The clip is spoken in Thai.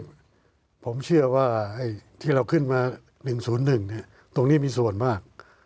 ผมเชื่อว่าที่เราขึ้นมา๑๐๑ตรงนี้มีส่วนมาก